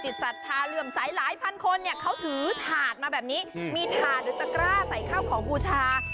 เดี๋ยวตะกร้าใส่ข้าวของครูชา